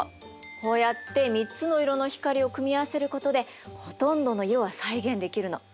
こうやって３つの色の光を組み合わせることでほとんどの色は再現できるの。